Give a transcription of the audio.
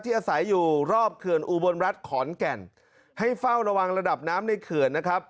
อาศัยอยู่รอบเขื่อนอุบลรัฐขอนแก่นให้เฝ้าระวังระดับน้ำในเขื่อนนะครับ